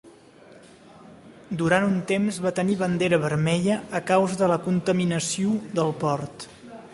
Durant un temps va tenir bandera vermella a causa de la contaminació del port.